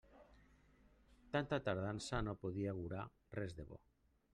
Tanta tardança no podia augurar res de bo.